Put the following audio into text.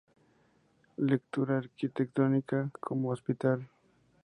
Lectura arquitectónica como hospital.